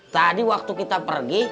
tadi waktu kita pergi